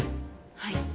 はい。